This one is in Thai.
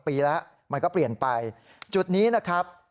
ปีแล้วมันก็เปลี่ยนไปจุดนี้นะครับ